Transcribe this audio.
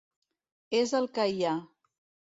És el que hi ha.